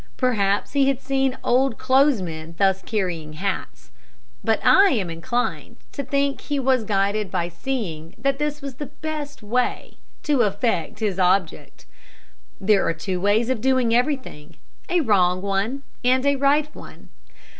Perhaps he had seen old clothes men thus carrying hats; but I am inclined to think that he was guided by seeing that this was the best way to effect his object. There are two ways of doing everything a wrong and a right one.